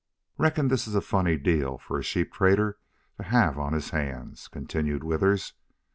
"Reckon this is a funny deal for a sheep trader to have on his hands," continued Withers.